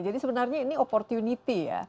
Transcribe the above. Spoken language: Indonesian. jadi sebenarnya ini opportunity ya